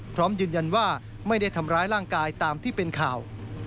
พร้อมยืนยันว่าไม่ได้ทำร้ายร่างกายตามที่เป็นข่าว